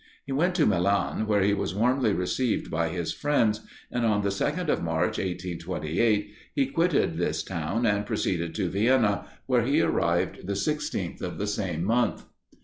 He went to Milan, where he was warmly received by his friends, and on the 2nd of March, 1828, he quitted this town and proceeded to Vienna, where he arrived the 16th of the same month.